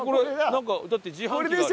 なんかだって自販機がある。